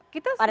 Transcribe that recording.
kita semua tahu